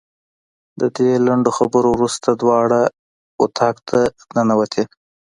د دې لنډو خبرو وروسته دواړه اتاق ته ننوتې.